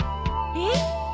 えっ？